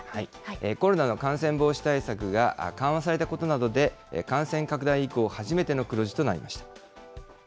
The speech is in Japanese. コロナの感染防止対策が緩和されたことなどで、感染拡大以降、初めての黒字となりました。